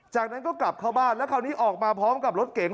จากนั้นก็กลับเข้าบ้านแล้วคราวนี้ออกมาพร้อมกับรถเก๋ง